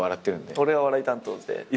俺は笑い担当で。